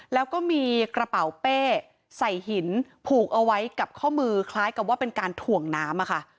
แล้วก็มีกระเป๋าเป้ใส่หินผูกเอาไว้กับข้อมือคล้ายกับว่าเป็นการถ่วงน้ำอะค่ะ